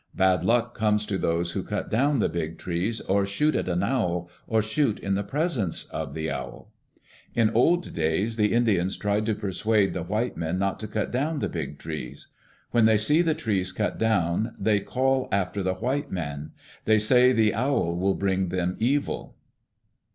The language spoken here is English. Bad luck comes to those who cut down the big trees, or shoot at an owl, or shoot in the presence of the owl. In old days the Indians tried to persuade the white men not to cut down the big trees. When they see the trees cut down they call after the white men. They say the owl will bring them evil.